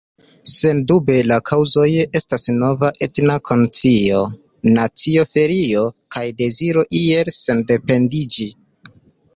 Sendube la kaŭzoj estas nova etna konscio, nacia fiero kaj deziro iel sendependiĝi.